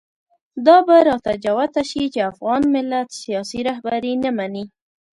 دا به راته جوته شي چې افغان ملت سیاسي رهبري نه مني.